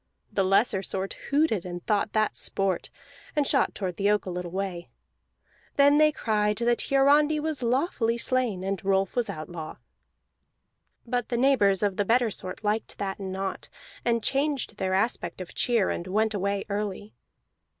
The looser sort hooted and thought that sport, and shot toward the oak a little way. Then they cried that Hiarandi was lawfully slain, and Rolf was outlaw. But the neighbors of the better sort liked that not, and changed their aspect of cheer, and went away early.